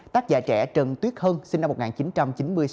tác giả trẻ trần tuyết hân sinh năm một nghìn chín trăm chín mươi sáu